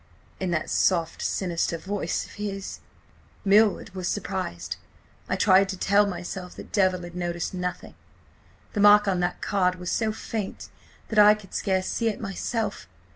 in that soft, sinister voice of his. "Milward was surprised. I tried to tell myself that Devil had noticed nothing. ... The mark on that card was so faint that I could scarce see it myself.